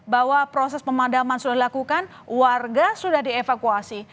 bahwa proses pemadaman sudah dilakukan warga sudah dievakuasi